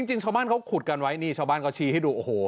จริงชาวบ้านเขาขุดกันไว้นี่ชาวบ้านก็ชี้ให้ดูโอ้โห